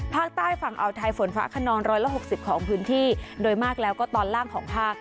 ภาคใต้ฝั่งอ่าวไทยฝนฟ้าขนองร้อยละหกสิบของพื้นที่โดยมากแล้วก็ตอนล่างของภาค